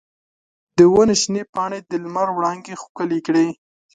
د ونې شنې پاڼې د لمر وړانګې ښکلې کړې.